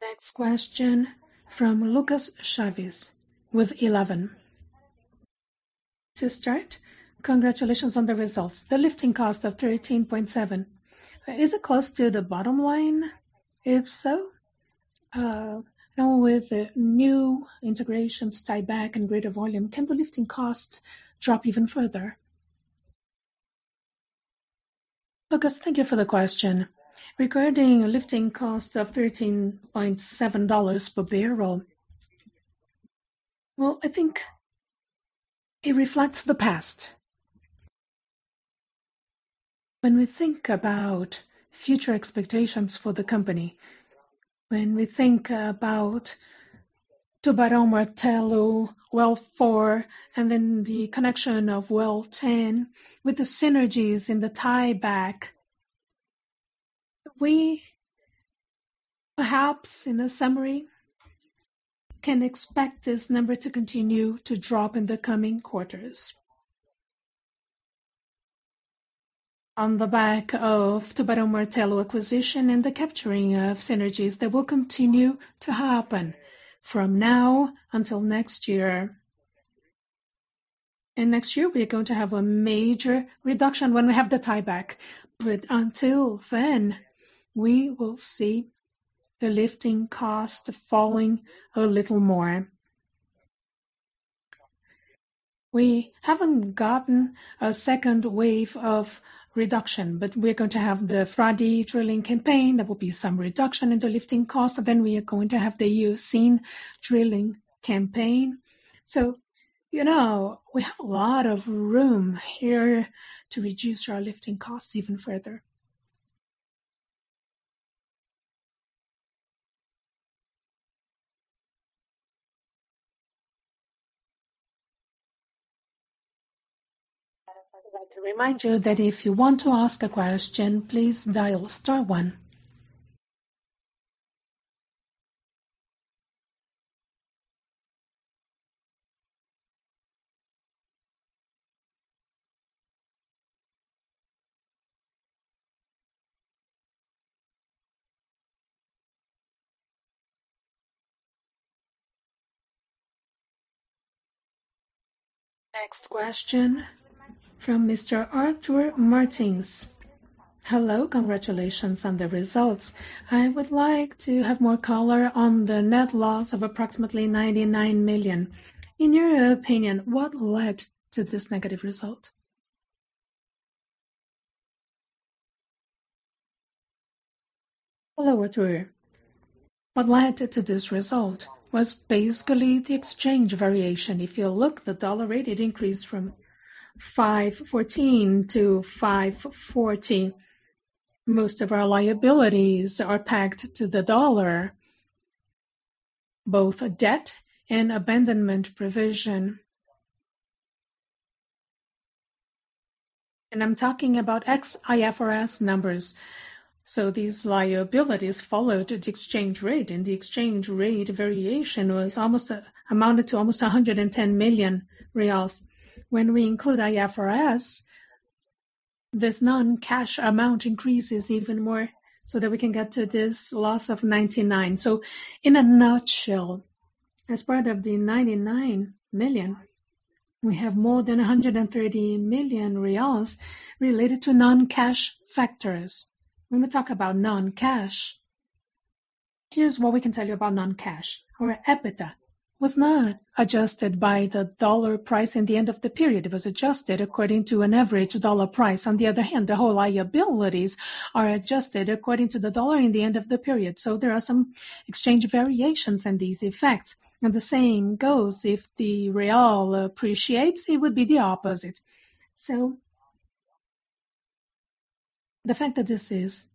Next question from Lucas Chaves with Eleven. To start, congratulations on the results. The lifting cost of $13.7, is it close to the bottom line? If so, now with the new integration tieback and greater volume, can the lifting cost drop even further? Lucas, thank you for the question. Regarding lifting cost of $13.7 per barrel. I think it reflects the past. When we think about future expectations for the company, when we think about Tubarão Martelo well four, and then the connection of well 10 with the synergies in the tieback, we perhaps in a summary can expect this number to continue to drop in the coming quarters. On the back of Tubarão Martelo acquisition and the capturing of synergies that will continue to happen from now until next year. Next year, we are going to have a major reduction when we have the tie-back. Until then, we will see the lifting cost falling a little more. We haven't gotten a second wave of reduction, but we're going to have the Frade drilling campaign. There will be some reduction in the lifting cost. We are going to have the Eocene drilling campaign. We have a lot of room here to reduce our lifting cost even further. I'd like to remind you that if you want to ask a question, please dial star one. Next question from Mr. Arthur Martins. Hello. Congratulations on the results. I would like to have more color on the net loss of approximately 99 million. In your opinion, what led to this negative result? Hello, Arthur. What led to this result was basically the exchange variation. If you look, the dollar rate increased from 5.14 to 5.40. Most of our liabilities are pegged to the dollar, both debt and abandonment provision. I'm talking about ex-IFRS numbers. These liabilities followed its exchange rate, and the exchange rate variation amounted to almost 110 million reais. When we include IFRS, this non-cash amount increases even more so that we can get to this loss of 99 million. In a nutshell, as part of the 99 million, we have more than 130 million reais related to non-cash factors. When we talk about non-cash, here's what we can tell you about non-cash. Our EBITDA was not adjusted by the dollar price in the end of the period. It was adjusted according to an average dollar price. The whole liabilities are adjusted according to the dollar in the end of the period. There are some exchange variations and these effects. The same goes if the real appreciates, it would be the opposite. The fact that this is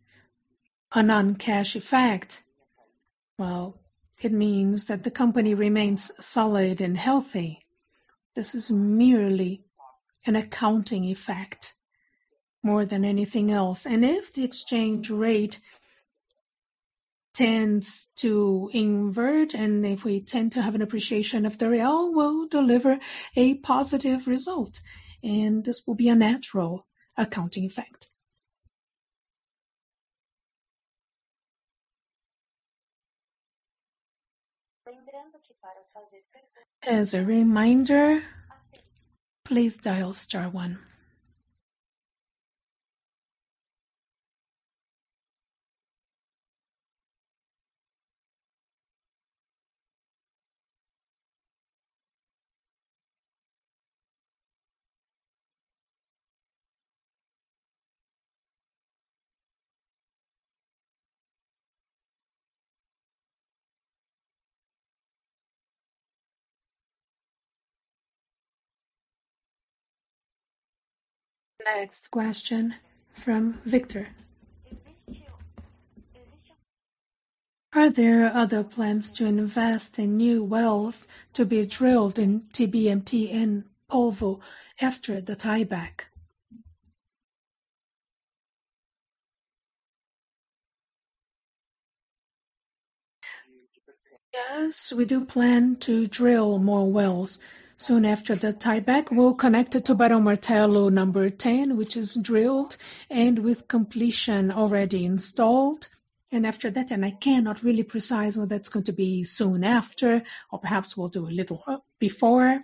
a non-cash effect, well, it means that the company remains solid and healthy. This is merely an accounting effect more than anything else. If the exchange rate tends to invert and if we tend to have an appreciation of the real, we'll deliver a positive result, and this will be a natural accounting effect. As a reminder, please dial star one. Next question from Victor. Are there other plans to invest in new wells to be drilled in TBMT and Polvo after the tieback? Yes, we do plan to drill more wells soon after the tieback. We'll connect to Tubarão Martelo 10, which is drilled and with completion already installed. After that, I cannot really precise whether that's going to be soon after or perhaps we'll do a little before.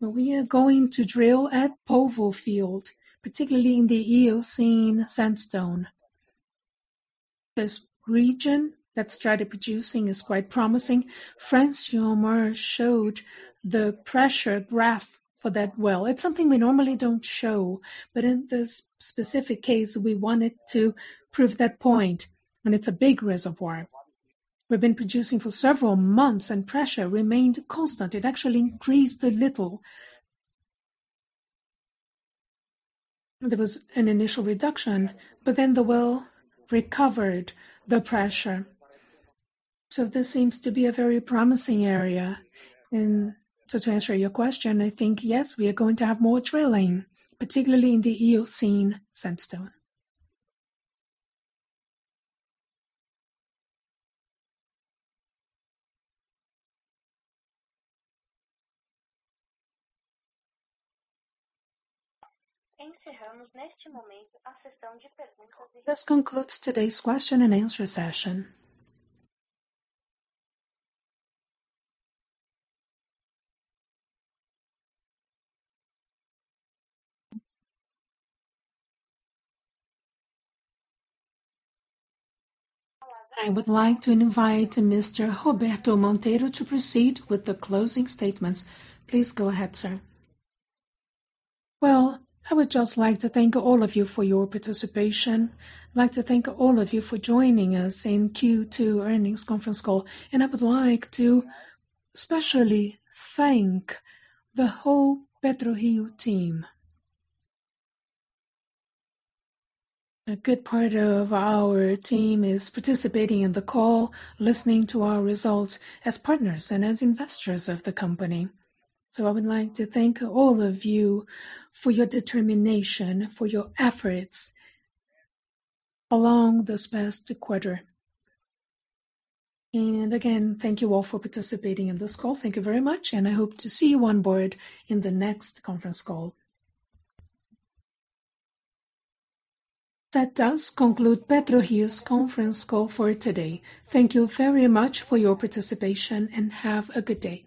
We are going to drill at Polvo field, particularly in the Eocene sandstone. This region that started producing is quite promising. Francilmar showed the pressure graph for that well. It's something we normally don't show, but in this specific case, we wanted to prove that point, and it's a big reservoir. We've been producing for several months and pressure remained constant. It actually increased a little. There was an initial reduction, but then the well recovered the pressure. This seems to be a very promising area. To answer your question, I think yes, we are going to have more drilling, particularly in the Eocene sandstone. This concludes today's question-and-answer session. I would like to invite Mr. Roberto Monteiro to proceed with the closing statements. Please go ahead, sir. Well, I would just like to thank all of you for your participation. I'd like to thank all of you for joining us in Q2 earnings conference call. I would like to specially thank the whole PetroRio team. A good part of our team is participating in the call, listening to our results as partners and as investors of the company. I would like to thank all of you for your determination, for your efforts along this past quarter. Again, thank you all for participating in this call. Thank you very much, and I hope to see you on board in the next conference call. That does conclude PetroRio's conference call for today. Thank you very much for your participation, and have a good day.